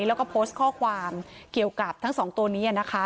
แล้วก็โพสต์ข้อความเกี่ยวกับทั้งสองตัวนี้นะคะ